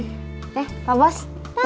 eh pak bos